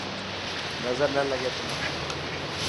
نظر نه لگي تنا.